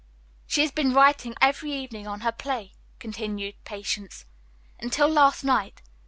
"She has been writing every evening on her play," continued Patience, "until last night.